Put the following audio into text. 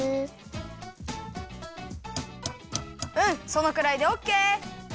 そのくらいでオッケー！